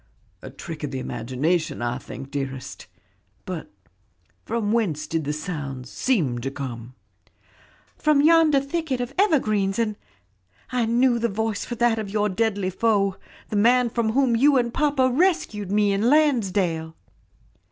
"A trick of the imagination, I think, dearest; but from whence did the sounds seem to come?" "From yonder thicket of evergreens and I knew the voice for that of your deadly foe, the man from whom you and papa rescued me in Landsdale."